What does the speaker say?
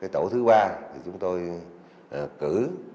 tổ thứ ba chúng tôi cử